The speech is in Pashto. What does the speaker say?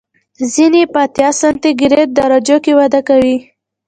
ځینې یې په اتیا سانتي ګراد درجو کې وده کوي.